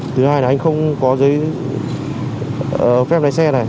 thứ hai là anh không có giấy phép lái xe này